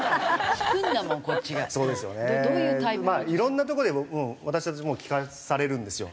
いろんなとこで私たちも聞かされるんですよ。